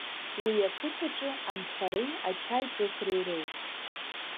Уи ақыҭаҿы анхареи ачаи ҿыхреи роуп.